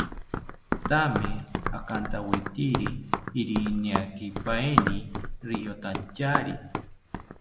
Thame akantawetiri irianerikipaeni riyotantyari